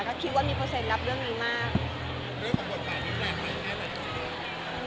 ก็คิดว่ามีเปอร์เซ็นต์รับเรื่องนี้มาก